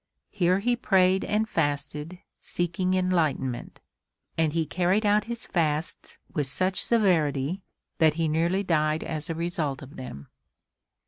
Here he prayed and fasted, seeking enlightenment; and he carried out his fasts with such severity that he nearly died as a result of them.